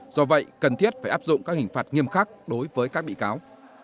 do vậy cần thiết phải áp dụng các hình phạt nghiêm khắc đối với các bị cáo